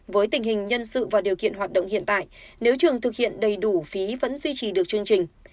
với tình hình nhân sự và điều kiện hoạt động hiện tại nếu trường thực hiện đầy đủ phí vẫn duy trì được chương trình